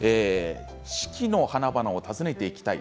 「四季の花々を訪ねていきたい